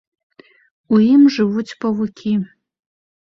У ім жывуць павукі.